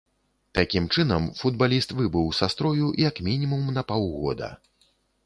Такім чынам, футбаліст выбыў са строю як мінімум на паўгода.